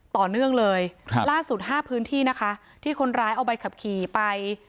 ต่อเนื่องเลยครับล่าสุดห้าพื้นที่นะคะที่คนร้ายเอาใบขับขี่ไป